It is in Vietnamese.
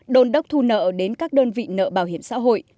đôn đốc thu nợ đến các đơn vị nợ bảo hiểm xã hội